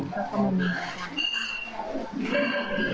เขาก็ไม่มี